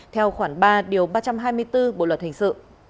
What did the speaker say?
theo khoảng ba điều ba trăm hai mươi bốn bộ luật hình sự